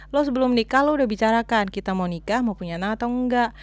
lo sebelum nikah lo udah bicarakan kita mau nikah mau punya anak atau enggak